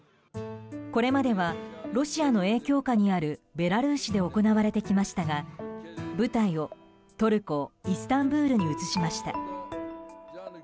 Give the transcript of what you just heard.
これまではロシアの影響下にあるベラルーシで行われてきましたが舞台をトルコ・イスタンブールに移しました。